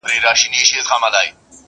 تېرومه ژوند د دې ماښام په تمه،